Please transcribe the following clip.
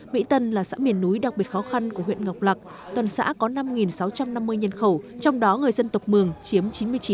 mỹ tân là xã miền núi đặc biệt khó khăn của huyện ngọc lạc tuần xã có năm sáu trăm năm mươi nhân khẩu trong đó người dân tộc mường chiếm chín mươi chín